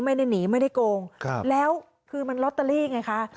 ไม่ได้หนีไม่ได้โกงแล้วคือมันลอตเตอรี่ไงคะ